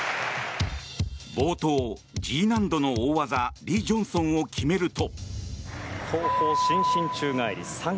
冒頭、Ｇ難度の大技リ・ジョンソンを決めると。